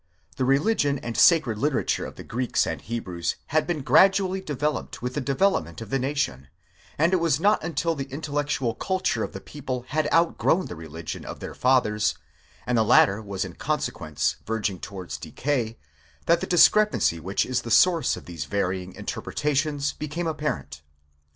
The religion and sacred literature of the Greeks and Hebrews had been gradually developed with the development of the nation, and it was not until the intellectual culture of the people had outgrown the religion of their fathers, and the latter was in consequence verging towards decay, that the discrepancy which is the source of these varying interpretations became apparent.